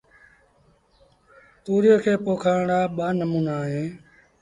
تُوريئي کي پوکڻ رآ ٻآݩموݩآ اهيݩ